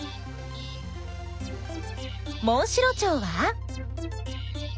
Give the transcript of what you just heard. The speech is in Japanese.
モンシロチョウは？